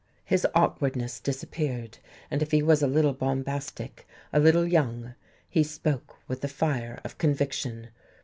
His awkwardness disappeared; and if he was a little bombastic, a little "young," he spoke with the fire of conviction.